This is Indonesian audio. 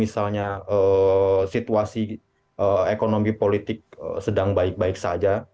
misalnya situasi ekonomi politik sedang baik baik saja